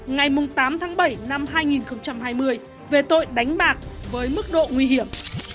ngày tám tháng bảy năm hai nghìn hai mươi về tội đánh bạc với mức độ nguy hiểm